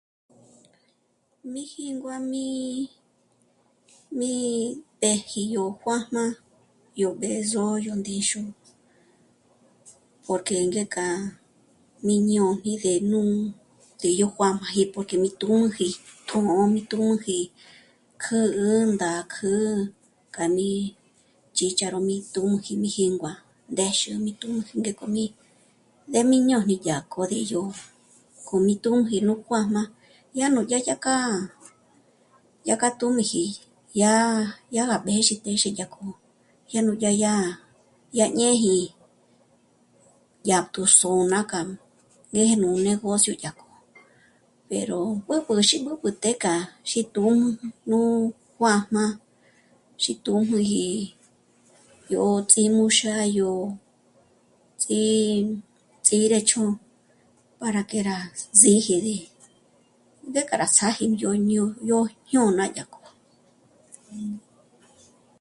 Mí jíngua mí... mí të́ji yó juā́jmā yó b'ë̌zo yó ndíxu porque ngéka mí ñôjni ndé nú ts'í yó juā́jmāji porque mi tjū̌nji, tjṓ'ō mí tjū̌nji kjǘ'ü ndá kjǘ'ü k'a ní chícharo mí tjū̌nji mí jíngua ndéxi mí tjū̌nji ngéko mí... ndé mí ñô't'i má dya k'od'ídyo k'o mí tjū̌nji nú kjuájmā dyé yá k'â'a, yá k'a tjū̌nji, yá gá mbézhi, mbézhi ya k'o, yá gú'u yá, yá, yá ñêji, yá tjū́só'o nà k'â'a ngéje nú negocio dyáko pero b'ǚb'ü xí b'ǚb'ü tjék'â'a xí tṓnu nú juā́jmā xí tṓnuji yó ts'ímúxa yó ts'í... ts'írë̀ch'o para que rá síji ndíji ndéka rá ts'áji ndzhó'o ñó... jñôna dyájko